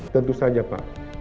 tentu saja pak